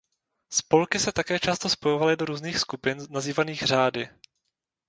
Spolky se také často spojovaly do různých skupin nazývaných řády.